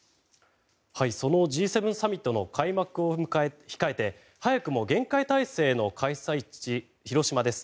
そのＧ７サミットの開幕を控えて早くも厳戒態勢の開催地・広島です。